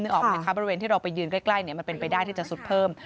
ออกไหมคะบริเวณที่เราไปยืนใกล้มันเป็นไปได้ที่จะสุดเพิ่ม